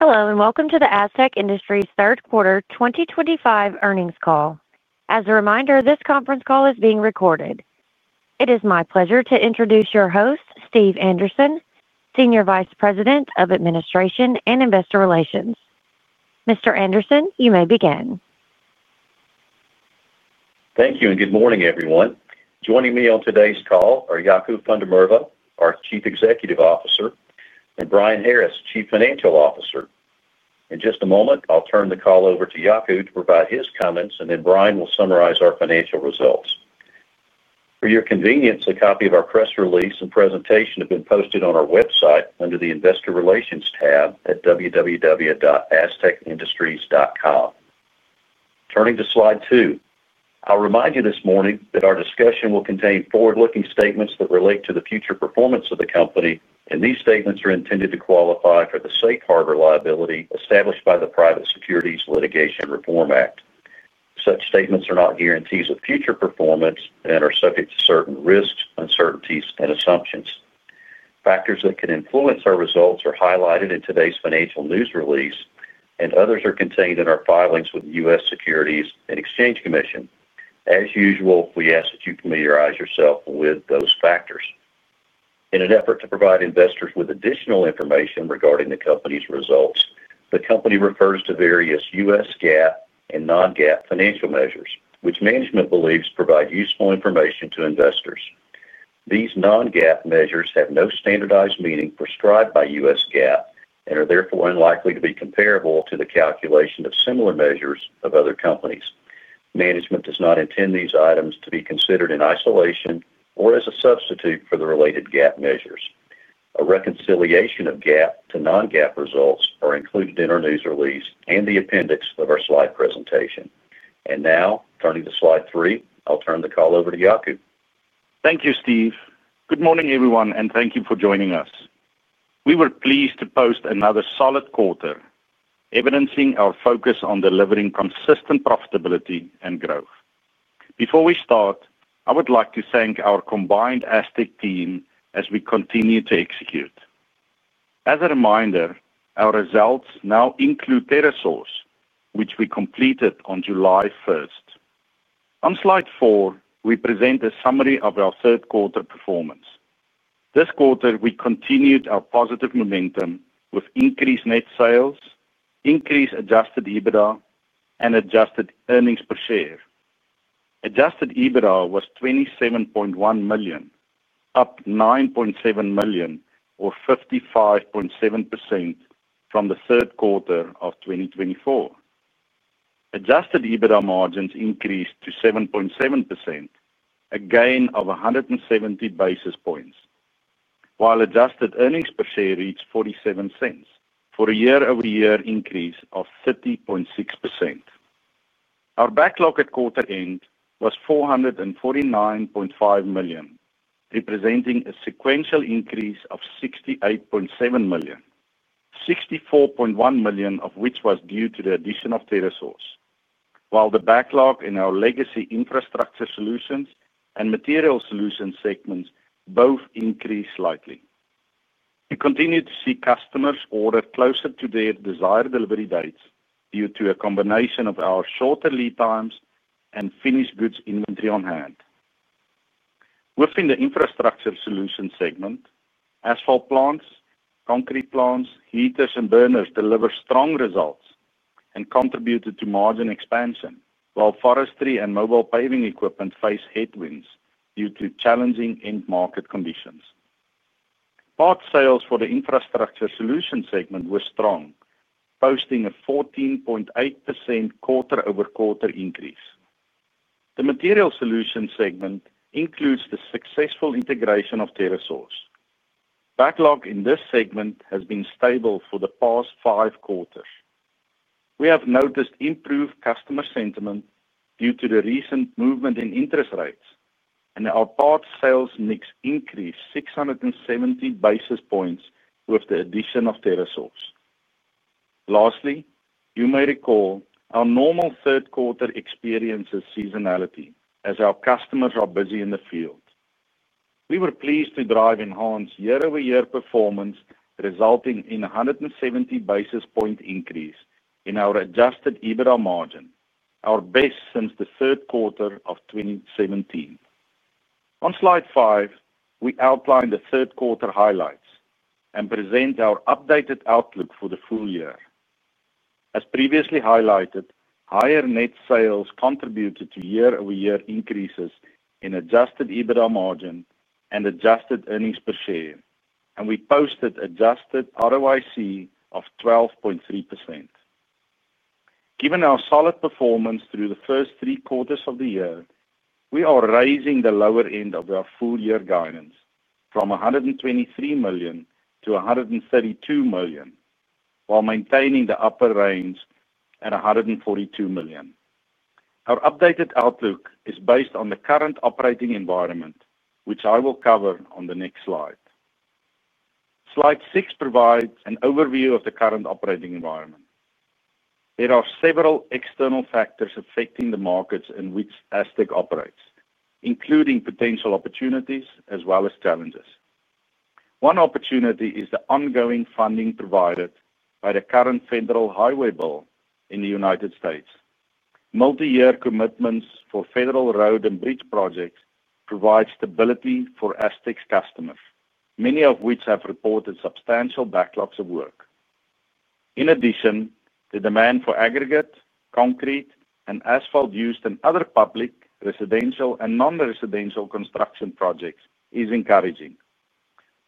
Hello, and welcome to the Astec Industries third quarter 2025 earnings call. As a reminder, this conference call is being recorded. It is my pleasure to introduce your host, Steve Anderson, Senior Vice President of Administration and Investor Relations. Mr. Anderson, you may begin. Thank you, and good morning, everyone. Joining me on today's call are Jaco van der Merwe, our Chief Executive Officer, and Brian Harris, Chief Financial Officer. In just a moment, I'll turn the call over to Jaco to provide his comments, and then Brian will summarize our financial results. For your convenience, a copy of our press release and presentation have been posted on our website under the Investor Relations tab at www.astecindustries.com. Turning to slide two, I'll remind you this morning that our discussion will contain forward-looking statements that relate to the future performance of the company, and these statements are intended to qualify for the safe harbor liability established by the Private Securities Litigation Reform Act. Such statements are not guarantees of future performance and are subject to certain risks, uncertainties, and assumptions. Factors that can influence our results are highlighted in today's financial news release, and others are contained in our filings with the U.S. Securities and Exchange Commission. As usual, we ask that you familiarize yourself with those factors. In an effort to provide investors with additional information regarding the company's results, the company refers to various U.S. GAAP and non-GAAP financial measures, which management believes provide useful information to investors. These non-GAAP measures have no standardized meaning prescribed by U.S. GAAP and are therefore unlikely to be comparable to the calculation of similar measures of other companies. Management does not intend these items to be considered in isolation or as a substitute for the related GAAP measures. A reconciliation of GAAP to non-GAAP results is included in our news release and the appendix of our slide presentation. Now, turning to slide three, I'll turn the call over to Jaco. Thank you, Steve. Good morning, everyone, and thank you for joining us. We were pleased to post another solid quarter, evidencing our focus on delivering consistent profitability and growth. Before we start, I would like to thank our combined Astec team as we continue to execute. As a reminder, our results now include TerraSource, which we completed on July 1. On slide four, we present a summary of our third quarter performance. This quarter, we continued our positive momentum with increased net sales, increased adjusted EBITDA, and adjusted earnings per share. Adjusted EBITDA was $27.1 million, up $9.7 million, or 55.7% from the third quarter of 2024. Adjusted EBITDA margins increased to 7.7%, a gain of 170 basis points, while adjusted earnings per share reached $0.47 for a year-over-year increase of 30.6%. Our backlog at quarter end was $449.5 million, representing a sequential increase of $68.7 million, $64.1 million of which was due to the addition of TerraSource, while the backlog in our legacy infrastructure solutions and Material Solutions segments both increased slightly. We continue to see customers order closer to their desired delivery dates due to a combination of our shorter lead times and finished goods inventory on hand. Within the infrastructure solutions segment, asphalt plants, concrete plants, heaters, and burners deliver strong results and contributed to margin expansion, while forestry and mobile paving equipment face headwinds due to challenging end market conditions. Part sales for the infrastructure solutions segment were strong, posting a 14.8% quarter-over-quarter increase. The Material Solutions segment includes the successful integration of TerraSource. Backlog in this segment has been stable for the past five quarters. We have noticed improved customer sentiment due to the recent movement in interest rates, and our part sales mix increased 670 basis points with the addition of TerraSource. Lastly, you may recall our normal third quarter experiences seasonality as our customers are busy in the field. We were pleased to drive enhanced year-over-year performance, resulting in a 170 basis point increase in our adjusted EBITDA margin, our best since the third quarter of 2017. On slide five, we outline the third quarter highlights and present our updated outlook for the full year. As previously highlighted, higher net sales contributed to year-over-year increases in adjusted EBITDA margin and adjusted earnings per share, and we posted adjusted ROIC of 12.3%. Given our solid performance through the first three quarters of the year, we are raising the lower end of our full year guidance from $123 million to $132 million, while maintaining the upper range at $142 million. Our updated outlook is based on the current operating environment, which I will cover on the next slide. Slide six provides an overview of the current operating environment. There are several external factors affecting the markets in which Astec operates, including potential opportunities as well as challenges. One opportunity is the ongoing funding provided by the current Federal Highway Bill in the United States. Multi-year commitments for federal road and bridge projects provide stability for Astec's customers, many of which have reported substantial backlogs of work. In addition, the demand for aggregate, concrete, and asphalt used in other public, residential, and non-residential construction projects is encouraging.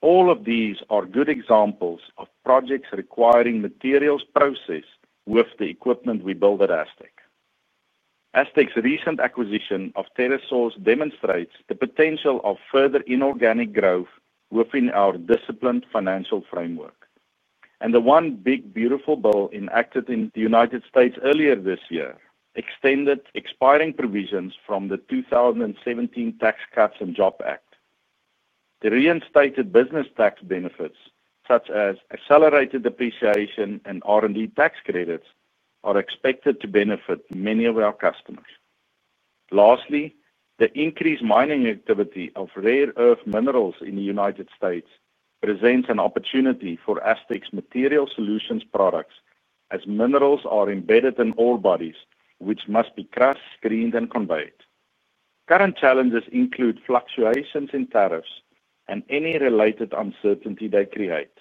All of these are good examples of projects requiring materials processed with the equipment we build at Astec. Astec's recent acquisition of TerraSource demonstrates the potential of further inorganic growth within our disciplined financial framework. The one big, beautiful bill enacted in the United States. earlier this year extended expiring provisions from the 2017 Tax Cuts and Jobs Act. The reinstated business tax benefits, such as accelerated depreciation and R&D tax credits, are expected to benefit many of our customers. Lastly, the increased mining activity of rare earth minerals in the United States. presents an opportunity for Astec's Material Solutions products, as minerals are embedded in ore bodies, which must be crushed, screened, and conveyed. Current challenges include fluctuations in tariffs and any related uncertainty they create.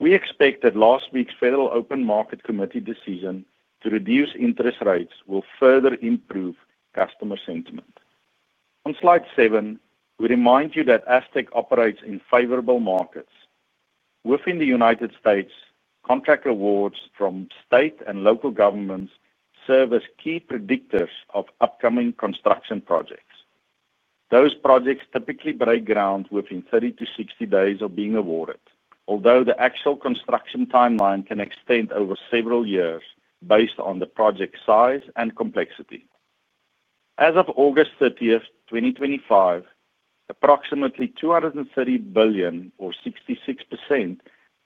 We expect that last week's Federal Open Market Committee decision to reduce interest rates will further improve customer sentiment. On slide seven, we remind you that Astec operates in favorable markets. Within the United States, contract awards from state and local governments serve as key predictors of upcoming construction projects. Those projects typically break ground within 30-60 days of being awarded, although the actual construction timeline can extend over several years based on the project size and complexity. As of August 30, 2025, approximately $230 billion, or 66%,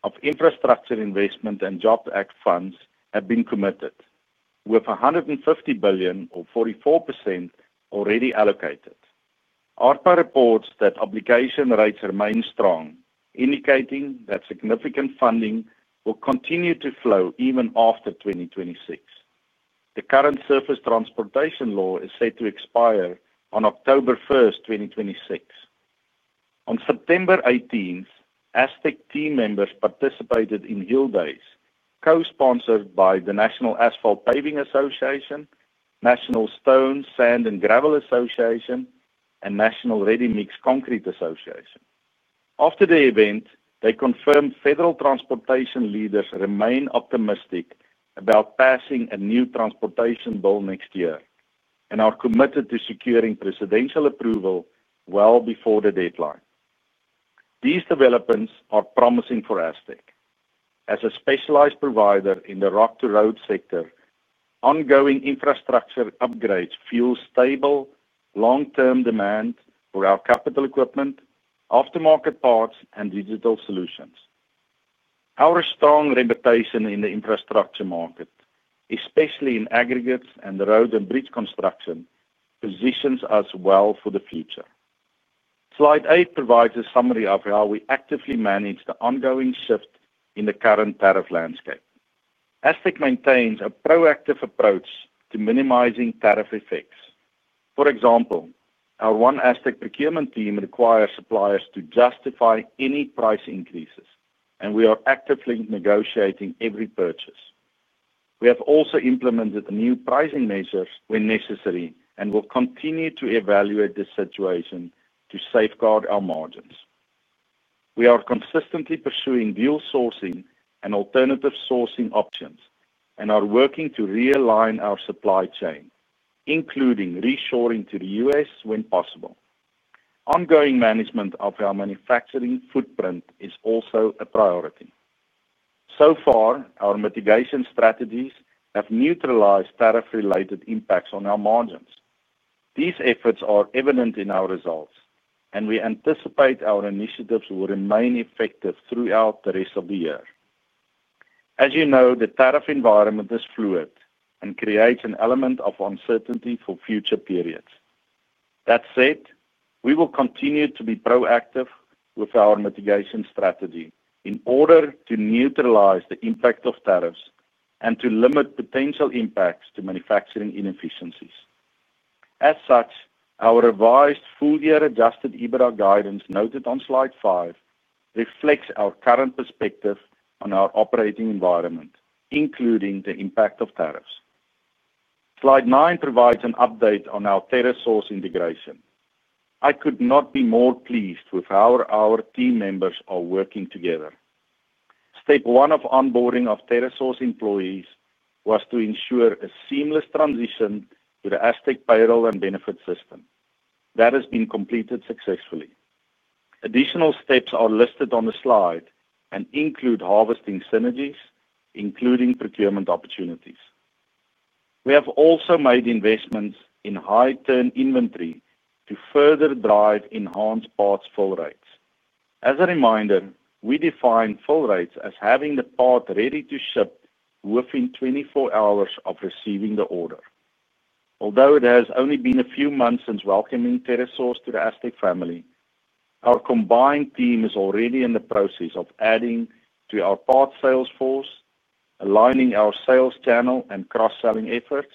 of Infrastructure Investment and Jobs Act funds have been committed, with $150 billion, or 44%, already allocated. ARPA reports that obligation rates remain strong, indicating that significant funding will continue to flow even after 2026. The current surface transportation law is set to expire on October 1, 2026. On September 18, Astec team members participated in Hill Days, co-sponsored by the National Asphalt Paving Association, National Stone, Sand and Gravel Association, and National Ready Mix Concrete Association. After the event, they confirmed federal transportation leaders remain optimistic about passing a new transportation bill next year and are committed to securing presidential approval well before the deadline. These developments are promising for Astec. As a specialized provider in the rock-to-road sector, ongoing infrastructure upgrades fuel stable, long-term demand for our capital equipment, aftermarket parts, and digital solutions. Our strong reputation in the infrastructure market, especially in aggregates and road and bridge construction, positions us well for the future. Slide eight provides a summary of how we actively manage the ongoing shift in the current tariff landscape. Astec maintains a proactive approach to minimizing tariff effects. For example, our One Astec procurement team requires suppliers to justify any price increases, and we are actively negotiating every purchase. We have also implemented new pricing measures when necessary and will continue to evaluate this situation to safeguard our margins. We are consistently pursuing dual sourcing and alternative sourcing options and are working to realign our supply chain, including reshoring to the U.S. when possible. Ongoing management of our manufacturing footprint is also a priority. So far, our mitigation strategies have neutralized tariff-related impacts on our margins. These efforts are evident in our results, and we anticipate our initiatives will remain effective throughout the rest of the year. As you know, the tariff environment is fluid and creates an element of uncertainty for future periods. That said, we will continue to be proactive with our mitigation strategy in order to neutralize the impact of tariffs and to limit potential impacts to manufacturing inefficiencies. As such, our revised full-year adjusted EBITDA guidance noted on slide five reflects our current perspective on our operating environment, including the impact of tariffs. Slide nine provides an update on our TerraSource integration. I could not be more pleased with how our team members are working together. Step one of onboarding of TerraSource employees was to ensure a seamless transition to the Astec payroll and benefits system that has been completed successfully. Additional steps are listed on the slide and include harvesting synergies, including procurement opportunities. We have also made investments in high-turn inventory to further drive enhanced parts fill rates. As a reminder, we define fill rates as having the part ready to ship within 24 hours of receiving the order. Although it has only been a few months since welcoming TerraSource to the Astec family, our combined team is already in the process of adding to our part sales force, aligning our sales channel and cross-selling efforts,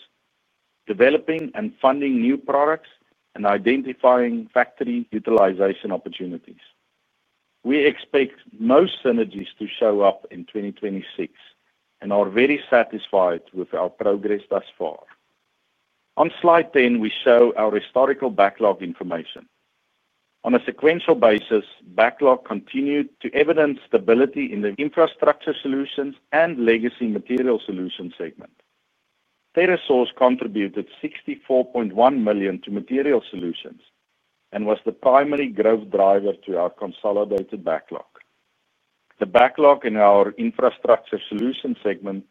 developing and funding new products, and identifying factory utilization opportunities. We expect most synergies to show up in 2026, and we are very satisfied with our progress thus far. On slide 10, we show our historical backlog information. On a sequential basis, backlog continued to evidence stability in the Infrastructure Solutions and Legacy Material Solutions segment. TerraSource contributed $64.1 million to Material Solutions and was the primary growth driver to our consolidated backlog. The backlog in our infrastructure solutions segment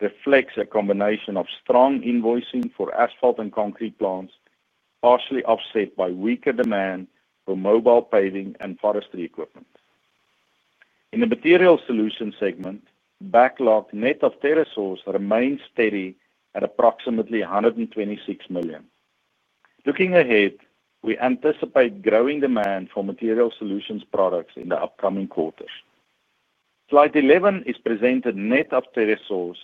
reflects a combination of strong invoicing for asphalt and concrete plants, partially offset by weaker demand for mobile paving and forestry equipment. In the Material Solutions segment, backlog net of TerraSource remains steady at approximately $126 million. Looking ahead, we anticipate growing demand for Material Solutions products in the upcoming quarters. Slide 11 is presented net of TerraSource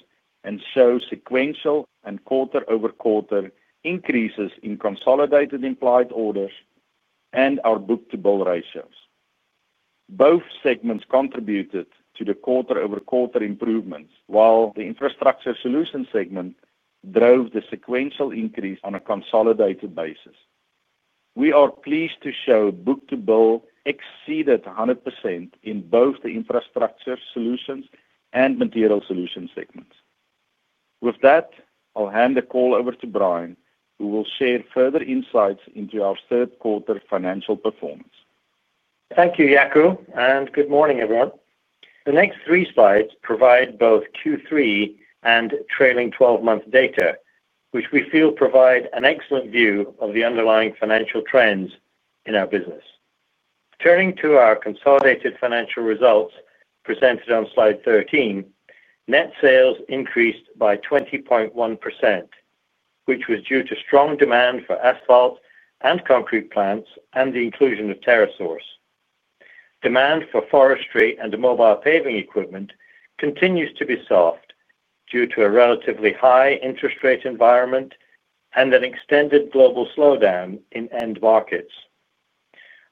and shows sequential and quarter-over-quarter increases in consolidated implied orders and our book-to-bill ratios. Both segments contributed to the quarter-over-quarter improvements, while the infrastructure solution segment drove the sequential increase on a consolidated basis. We are pleased to show book-to-bill exceeded 100% in both the infrastructure solutions and material solution segments. With that, I'll hand the call over to Brian, who will share further insights into our third quarter financial performance. Thank you, Jaco, and good morning, everyone. The next three slides provide both Q3 and trailing 12-month data, which we feel provide an excellent view of the underlying financial trends in our business. Turning to our consolidated financial results presented on slide 13. Net sales increased by 20.1%, which was due to strong demand for asphalt and concrete plants and the inclusion of TerraSource. Demand for forestry and mobile paving equipment continues to be soft due to a relatively high interest rate environment and an extended global slowdown in end markets.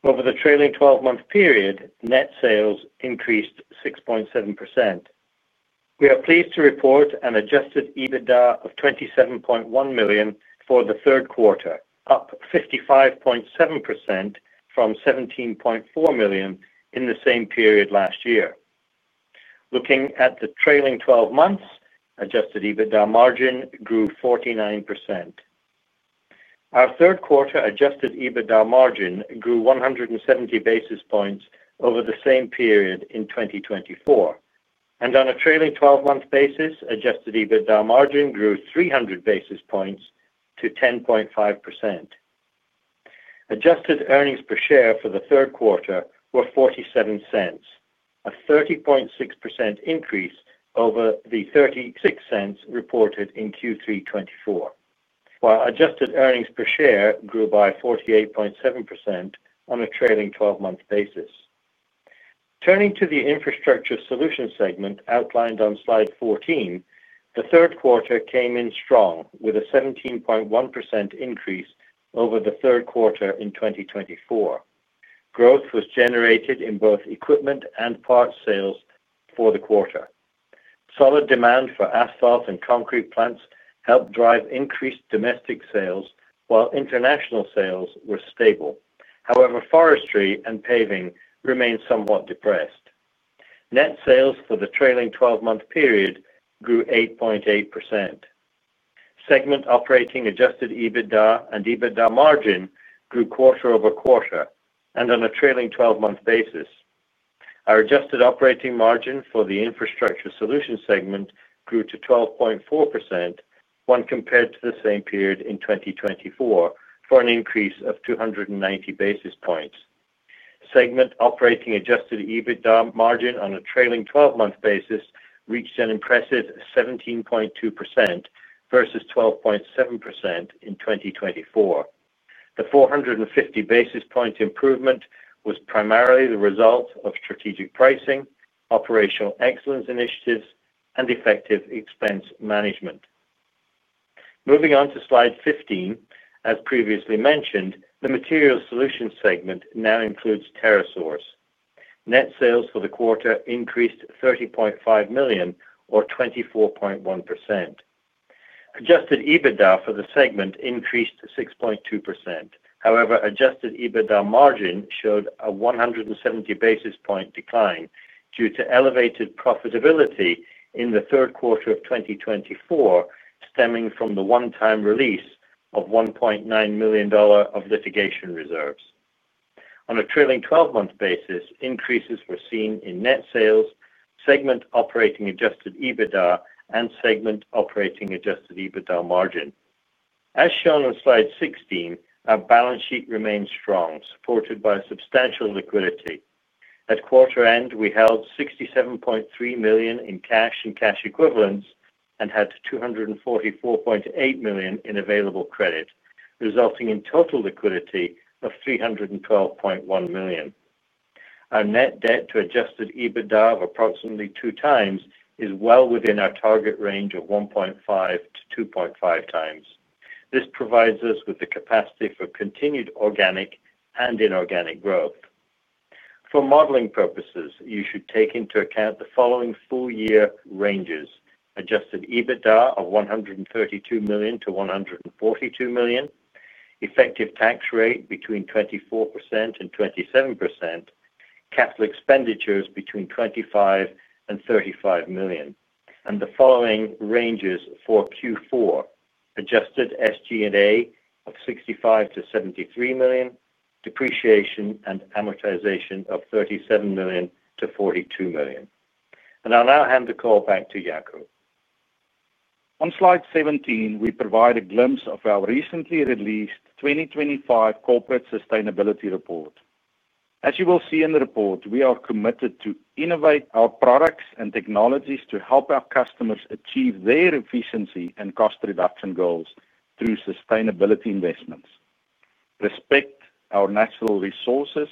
Over the trailing 12-month period, net sales increased 6.7%. We are pleased to report an adjusted EBITDA of $27.1 million for the third quarter, up 55.7% from $17.4 million in the same period last year. Looking at the trailing 12 months, adjusted EBITDA margin grew 49%. Our third quarter adjusted EBITDA margin grew 170 basis points over the same period in 2024. On a trailing 12-month basis, adjusted EBITDA margin grew 300 basis points to 10.5%. Adjusted earnings per share for the third quarter were $0.47, a 30.6% increase over the $0.36 reported in Q3 2024, while adjusted earnings per share grew by 48.7% on a trailing 12-month basis. Turning to the infrastructure solution segment outlined on slide 14, the third quarter came in strong with a 17.1% increase over the third quarter in 2024. Growth was generated in both equipment and part sales for the quarter. Solid demand for asphalt and concrete plants helped drive increased domestic sales, while international sales were stable. However, forestry and paving remained somewhat depressed. Net sales for the trailing 12-month period grew 8.8%. Segment operating adjusted EBITDA and EBITDA margin grew quarter-over-quarter and on a trailing 12-month basis. Our adjusted operating margin for the infrastructure solutions segment grew to 12.4% when compared to the same period in 2024 for an increase of 290 basis points. Segment operating adjusted EBITDA margin on a trailing 12-month basis reached an impressive 17.2% versus 12.7% in 2024. The 450 basis points improvement was primarily the result of strategic pricing, operational excellence initiatives, and effective expense management. Moving on to slide 15, as previously mentioned, the Material Solutions segment now includes TerraSource. Net sales for the quarter increased $30.5 million, or 24.1%. Adjusted EBITDA for the segment increased 6.2%. However, adjusted EBITDA margin showed a 170 basis point decline due to elevated profitability in the third quarter of 2024, stemming from the one-time release of $1.9 million of litigation reserves. On a trailing 12-month basis, increases were seen in net sales, segment operating adjusted EBITDA, and segment operating adjusted EBITDA margin. As shown on slide 16, our balance sheet remains strong, supported by substantial liquidity. At quarter end, we held $67.3 million in cash and cash equivalents and had $244.8 million in available credit, resulting in total liquidity of $312.1 million. Our net debt to adjusted EBITDA of approximately 2x is well within our target range of 1.5-2.5x. This provides us with the capacity for continued organic and inorganic growth. For modeling purposes, you should take into account the following full-year ranges: adjusted EBITDA of $132 million-$142 million, effective tax rate between 24%-27%. Capital expenditures between $25 million and $35 million, and the following ranges for Q4: adjusted SG&A of $65 million-$73 million, depreciation and amortization of $37 million-$42 million. I'll now hand the call back to Jaco. On slide 17, we provide a glimpse of our recently released 2025 Corporate Sustainability Report. As you will see in the report, we are committed to innovate our products and technologies to help our customers achieve their efficiency and cost reduction goals through sustainability investments. Respect our natural resources,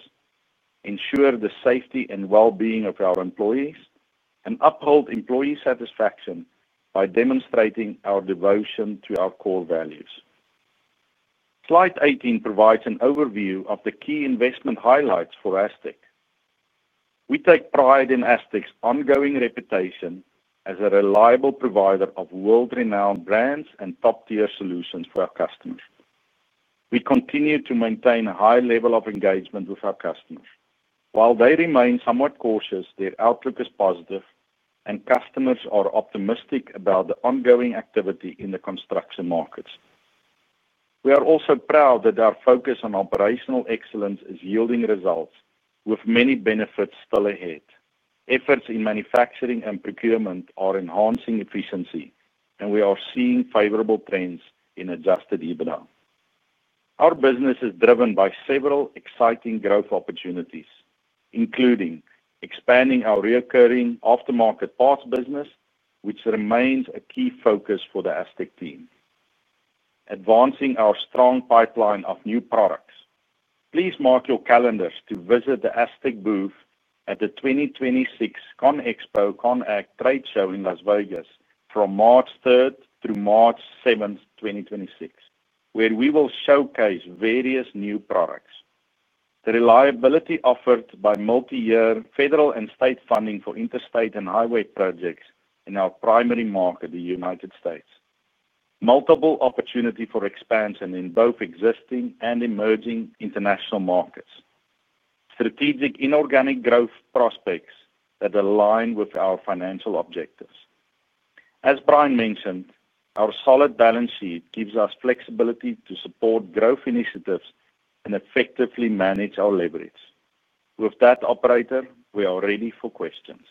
ensure the safety and well-being of our employees, and uphold employee satisfaction by demonstrating our devotion to our core values. Slide 18 provides an overview of the key investment highlights for Astec. We take pride in Astec's ongoing reputation as a reliable provider of world-renowned brands and top-tier solutions for our customers. We continue to maintain a high level of engagement with our customers. While they remain somewhat cautious, their outlook is positive, and customers are optimistic about the ongoing activity in the construction markets. We are also proud that our focus on operational excellence is yielding results, with many benefits still ahead. Efforts in manufacturing and procurement are enhancing efficiency, and we are seeing favorable trends in adjusted EBITDA. Our business is driven by several exciting growth opportunities, including expanding our reoccurring aftermarket parts business, which remains a key focus for the Astec team. Advancing our strong pipeline of new products. Please mark your calendars to visit the Astec booth at the 2026 ConExpo-Con/Agg trade show in Las Vegas from March 3rd through March 7th, 2026, where we will showcase various new products. The reliability offered by multi-year federal and state funding for interstate and highway projects in our primary market, the United States. Multiple opportunities for expansion in both existing and emerging international markets. Strategic inorganic growth prospects that align with our financial objectives. As Brian mentioned, our solid balance sheet gives us flexibility to support growth initiatives and effectively manage our leverage. With that, operator, we are ready for questions.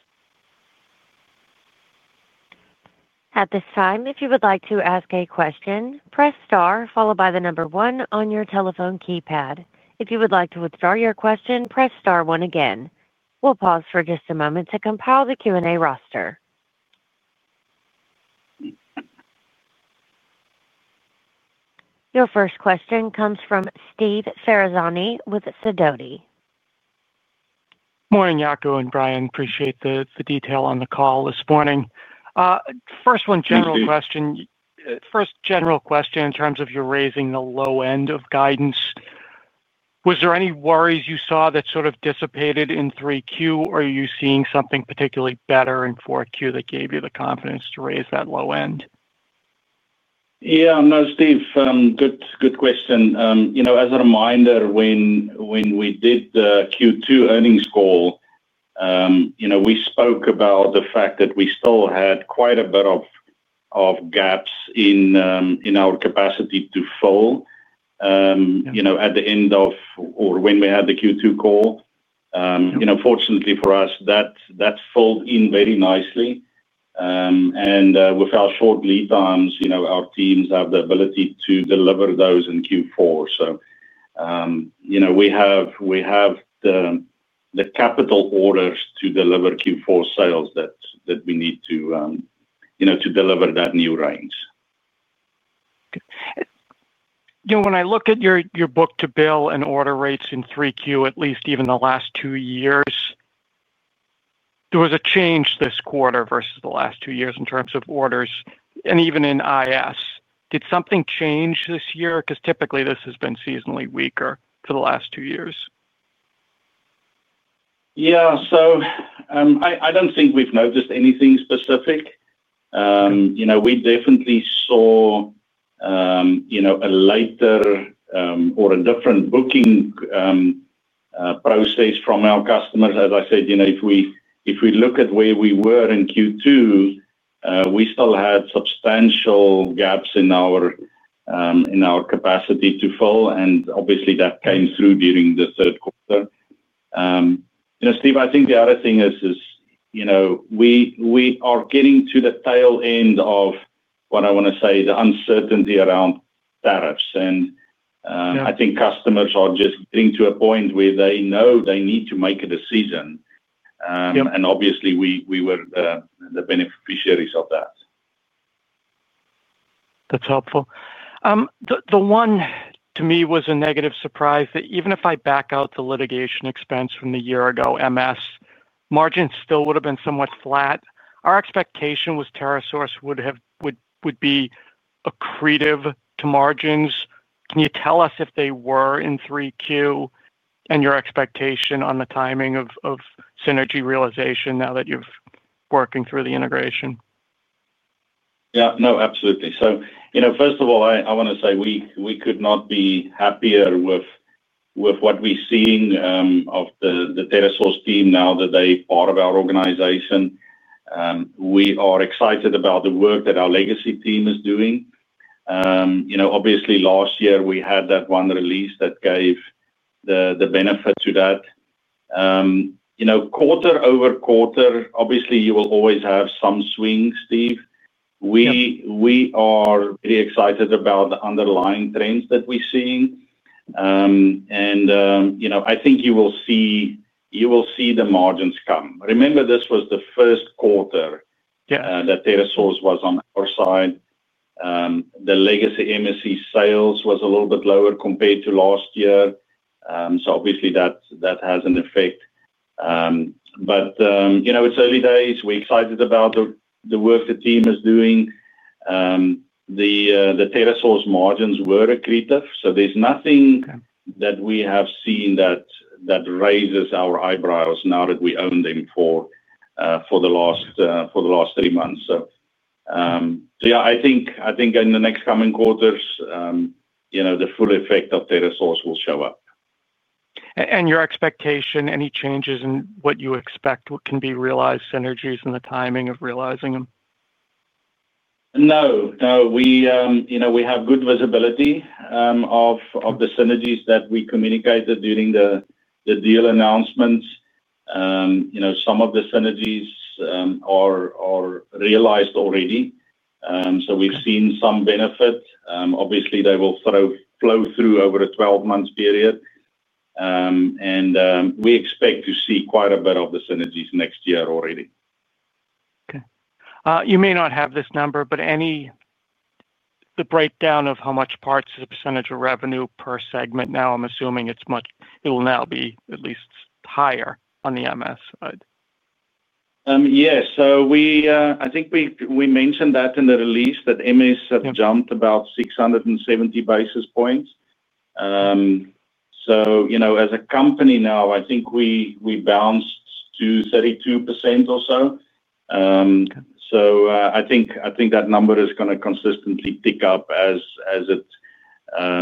At this time, if you would like to ask a question, press star followed by the number one on your telephone keypad. If you would like to withdraw your question, press star one again. We'll pause for just a moment to compile the Q&A roster. Your first question comes from Steve Ferazani with Sidoti. Morning, Jaco and Brian. Appreciate the detail on the call this morning. First one, general question. First general question in terms of your raising the low end of guidance. Was there any worries you saw that sort of dissipated in 3Q, or are you seeing something particularly better in 4Q that gave you the confidence to raise that low end? Yeah. No, Steve, good question. As a reminder, when we did the Q2 earnings call, we spoke about the fact that we still had quite a bit of gaps in our capacity to fill. At the end of, or when we had the Q2 call. Fortunately for us, that filled in very nicely. And with our short lead times, our teams have the ability to deliver those in Q4. So. We have. The capital orders to deliver Q4 sales that we need to deliver that new range. When I look at your book-to-bill and order rates in 3Q, at least even the last two years, there was a change this quarter versus the last two years in terms of orders. And even in IS, did something change this year? Because typically, this has been seasonally weaker for the last two years. Yeah. I do not think we have noticed anything specific. We definitely saw a later or a different booking process from our customers. As I said, if we look at where we were in Q2, we still had substantial gaps in our capacity to fill, and obviously, that came through during the third quarter. Steve, I think the other thing is we are getting to the tail end of, what I want to say, the uncertainty around tariffs. I think customers are just getting to a point where they know they need to make a decision. Obviously, we were the beneficiaries of that. That's helpful. The one, to me, was a negative surprise that even if I back out the litigation expense from the year ago, MS (Material Solutions), margins still would have been somewhat flat. Our expectation was TerraSource would be accretive to margins. Can you tell us if they were in 3Q and your expectation on the timing of synergy realization now that you're working through the integration? Yeah. No, absolutely. First of all, I want to say we could not be happier with what we're seeing of the TerraSource team now that they're part of our organization. We are excited about the work that our legacy team is doing. Obviously, last year, we had that one release that gave. The benefit to that. Quarter over quarter, obviously, you will always have some swings, Steve. We are very excited about the underlying trends that we're seeing. I think you will see the margins come. Remember, this was the first quarter that TerraSource was on our side. The legacy MS (Material Solutions)E sales was a little bit lower compared to last year. Obviously, that has an effect. It's early days. We're excited about the work the team is doing. The TerraSource margins were accretive. There's nothing that we have seen that raises our eyebrows now that we own them for the last three months. I think in the next coming quarters the full effect of TerraSource will show up. Your expectation, any changes in what you expect can be realized synergies and the timing of realizing them? No. No. We have good visibility of the synergies that we communicated during the deal announcements. Some of the synergies are realized already. So we've seen some benefit. Obviously, they will flow through over a 12-month period. And we expect to see quite a bit of the synergies next year already. Okay. You may not have this number, but the breakdown of how much parts is the percentage of revenue per segment now, I'm assuming it will now be at least higher on the MS (Material Solutions) side. Yes. So I think we mentioned that in the release that MS (Material Solutions) had jumped about 670 basis points. So as a company now, I think we bounced to 32% or so. I think that number is going to consistently tick up as it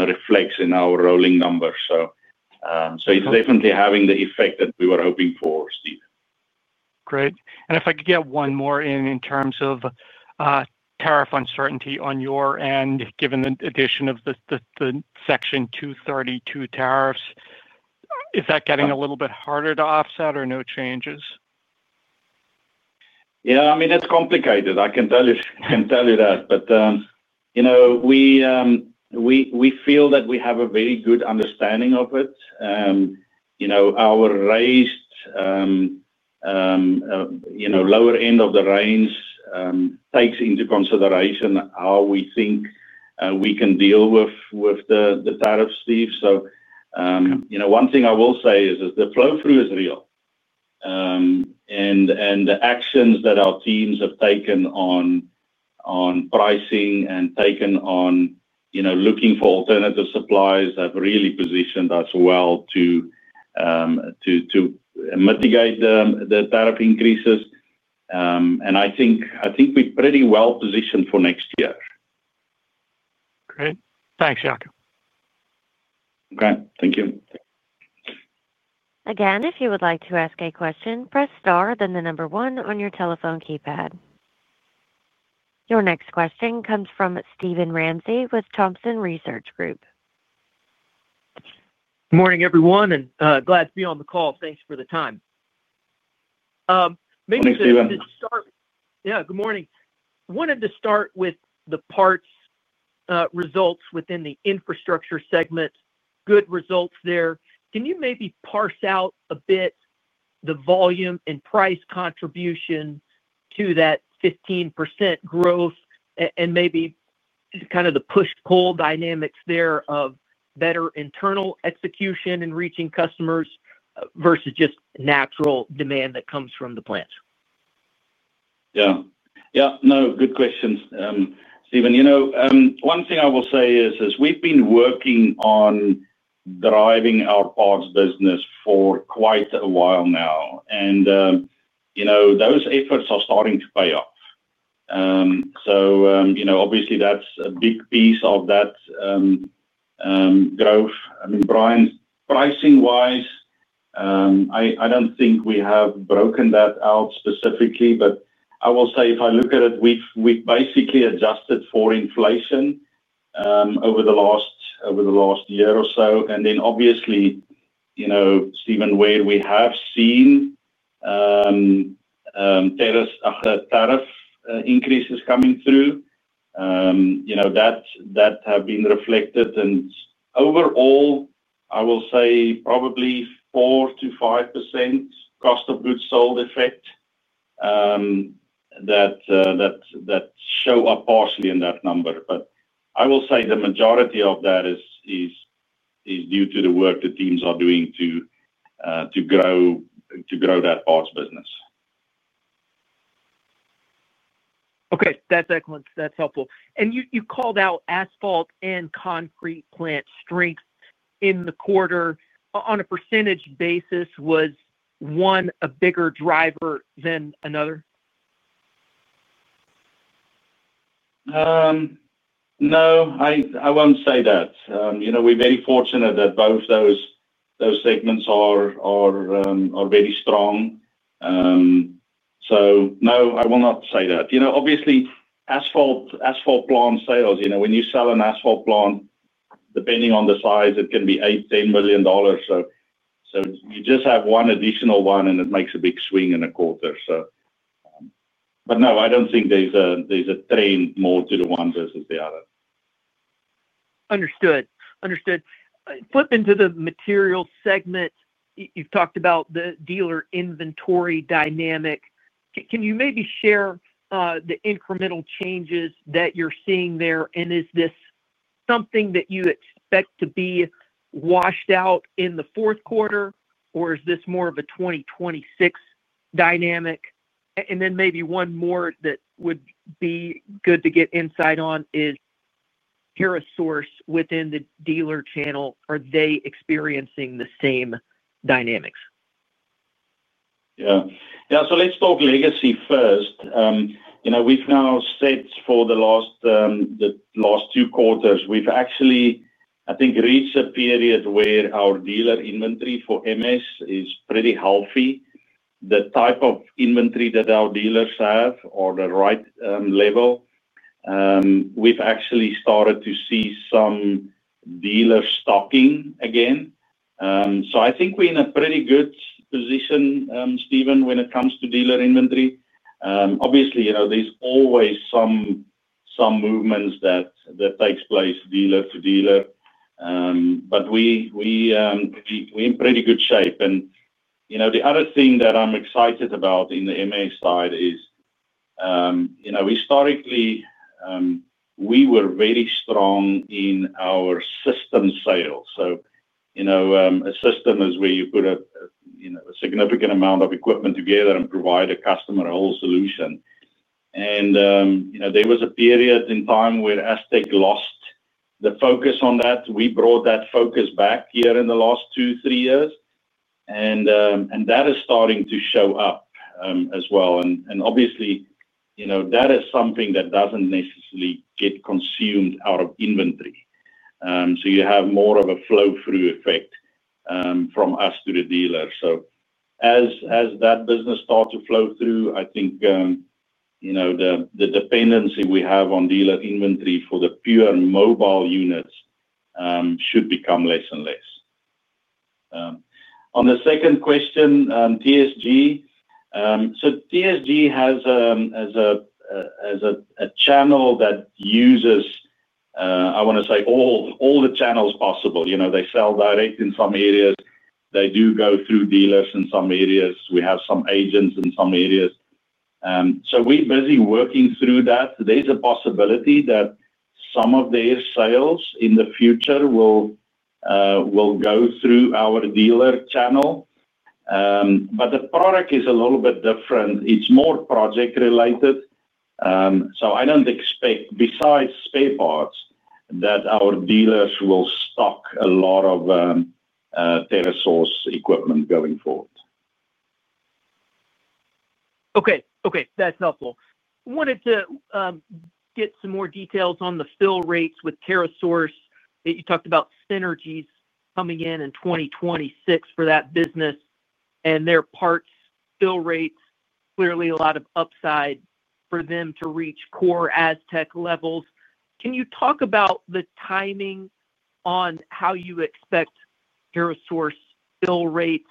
reflects in our rolling numbers. It is definitely having the effect that we were hoping for, Steve. Great. If I could get one more in terms of tariff uncertainty on your end, given the addition of the Section 232 tariffs. Is that getting a little bit harder to offset or no changes? Yeah. I mean, it's complicated. I can tell you that. We feel that we have a very good understanding of it. Our raised lower end of the range takes into consideration how we think we can deal with the tariffs, Steve. One thing I will say is the flow through is real. The actions that our teams have taken on pricing and taken on looking for alternative supplies have really positioned us well to mitigate the tariff increases. I think we're pretty well positioned for next year. Great. Thanks, Jaco. Okay. Thank you. Again, if you would like to ask a question, press star then the number one on your telephone keypad. Your next question comes from Steven Ramsey with Thompson Research Group. Good morning, everyone, and glad to be on the call. Thanks for the time. Maybe we should start. Good morning. Yeah. Good morning. Wanted to start with the parts. Results within the infrastructure segment, good results there. Can you maybe parse out a bit the volume and price contribution to that 15% growth and maybe kind of the push-pull dynamics there of better internal execution and reaching customers versus just natural demand that comes from the plant? Yeah. Yeah. No. Good questions, Steven. One thing I will say is we've been working on driving our parts business for quite a while now. And those efforts are starting to pay off. Obviously, that's a big piece of that growth. I mean, Brian, pricing-wise. I do not think we have broken that out specifically, but I will say if I look at it, we have basically adjusted for inflation over the last year or so. Obviously, Steven, where we have seen tariff increases coming through, that has been reflected. Overall, I will say probably 4%-5% cost of goods sold effect that shows up partially in that number. I will say the majority of that is due to the work the teams are doing to grow that parts business. Okay. That is excellent. That is helpful. You called out asphalt and concrete plant strength in the quarter. On a percentage basis, was one a bigger driver than another? No. I will not say that. We are very fortunate that both those segments are very strong. No, I will not say that. Obviously, asphalt plant sales, when you sell an asphalt plant, depending on the size, it can be $8 million, $10 million. You just have one additional one, and it makes a big swing in a quarter. No, I do not think there is a trend more to the one versus the other. Understood. Understood. Flipping to the material segment, you have talked about the dealer inventory dynamic. Can you maybe share the incremental changes that you are seeing there? Is this something that you expect to be washed out in the fourth quarter, or is this more of a 2026 dynamic? Maybe one more that would be good to get insight on is TerraSource within the dealer channel, are they experiencing the same dynamics? Yeah. Yeah. Let us talk legacy first. We have now said for the last. Two quarters, we've actually, I think, reached a period where our dealer inventory for MS (Material Solutions) is pretty healthy. The type of inventory that our dealers have are the right level. We've actually started to see some dealer stocking again. I think we're in a pretty good position, Steven, when it comes to dealer inventory. Obviously, there's always some movements that take place dealer to dealer. We are in pretty good shape. The other thing that I'm excited about in the MS (Material Solutions) side is, historically, we were very strong in our system sales. A system is where you put a significant amount of equipment together and provide a customer a whole solution. There was a period in time where Astec lost the focus on that. We brought that focus back here in the last two, three years, and that is starting to show up as well. Obviously, that is something that does not necessarily get consumed out of inventory. You have more of a flow-through effect from us to the dealer. As that business starts to flow through, I think the dependency we have on dealer inventory for the pure mobile units should become less and less. On the second question, TSG. TSG has a channel that uses, I want to say, all the channels possible. They sell direct in some areas. They do go through dealers in some areas. We have some agents in some areas. We are busy working through that. There is a possibility that some of their sales in the future will go through our dealer channel. The product is a little bit different. It is more project-related. I do not expect, besides spare parts, that our dealers will stock a lot of TerraSource equipment going forward. Okay. Okay. That's helpful. Wanted to get some more details on the fill rates with TerraSource. You talked about synergies coming in in 2026 for that business. And their parts fill rates, clearly a lot of upside for them to reach core Astec levels. Can you talk about the timing on how you expect TerraSource fill rates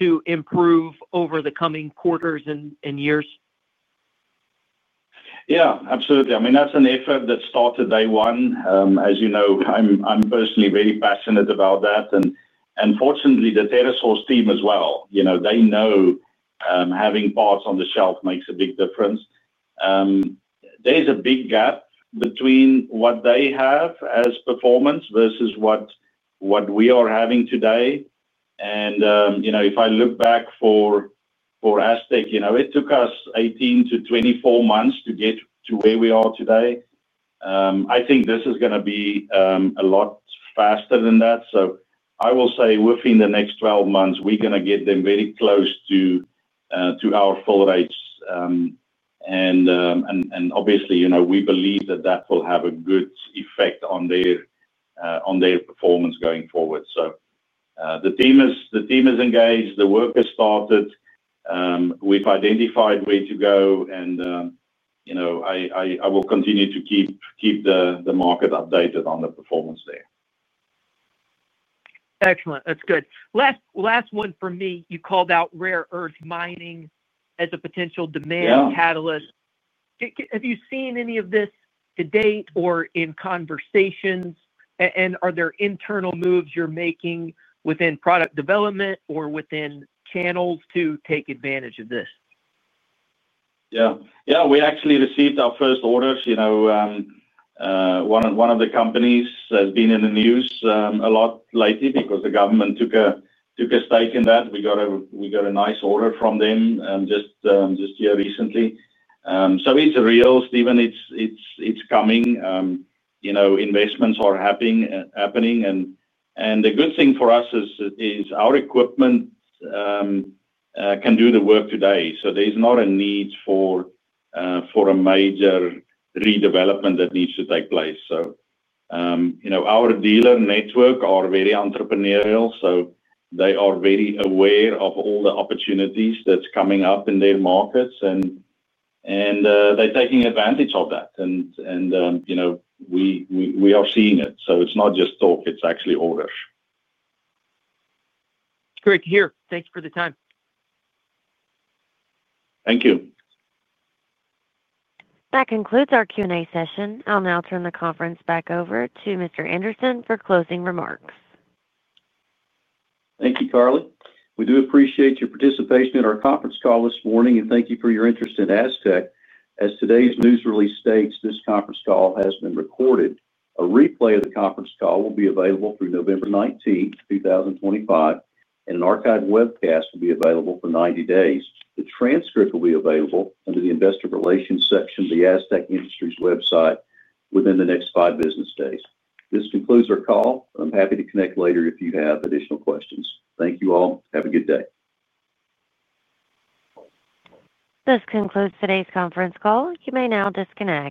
to improve over the coming quarters and years? Yeah. Absolutely. I mean, that's an effort that started day one. As you know, I'm personally very passionate about that. And fortunately, the TerraSource team as well, they know. Having parts on the shelf makes a big difference. There's a big gap between what they have as performance versus what we are having today. And if I look back for Astec, it took us 18-24 months to get to where we are today. I think this is going to be a lot faster than that. I will say within the next 12 months, we're going to get them very close to our fill rates. Obviously, we believe that that will have a good effect on their performance going forward. The team is engaged. The work has started. We've identified where to go. I will continue to keep the market updated on the performance there. Excellent. That's good. Last one for me. You called out rare earth mining as a potential demand catalyst. Have you seen any of this to date or in conversations? Are there internal moves you're making within product development or within channels to take advantage of this? Yeah. We actually received our first orders. One of the companies has been in the news a lot lately because the government took a stake in that. We got a nice order from them just here recently. So it's real, Steven. It's coming. Investments are happening. And the good thing for us is our equipment can do the work today. So there's not a need for a major redevelopment that needs to take place. Our dealer network are very entrepreneurial. They are very aware of all the opportunities that's coming up in their markets. They're taking advantage of that. We are seeing it. It's not just talk. It's actually orders. Great to hear. Thanks for the time. Thank you. That concludes our Q&A session. I'll now turn the conference back over to Mr. Anderson for closing remarks. Thank you, Carly. We do appreciate your participation in our conference call this morning. Thank you for your interest in Astec. As today's news release states, this conference call has been recorded. A replay of the conference call will be available through November 19, 2025. An archived webcast will be available for 90 days. The transcript will be available under the Investor Relations section of the Astec Industries website within the next five business days. This concludes our call. I'm happy to connect later if you have additional questions. Thank you all. Have a good day. This concludes today's conference call. You may now disconnect.